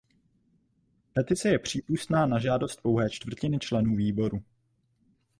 Petice je přípustná na žádost pouhé čtvrtiny členů výboru.